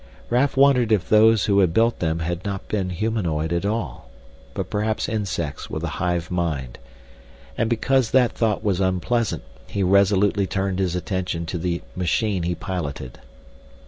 Raf wondered if those who had built them had not been humanoid at all, but perhaps insects with a hive mind. And because that thought was unpleasant he resolutely turned his attention to the machine he piloted.